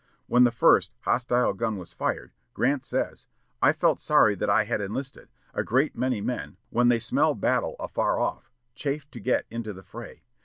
When the first hostile gun was fired, Grant says, "I felt sorry that I had enlisted. A great many men, when they smell battle afar off, chafe to get into the fray.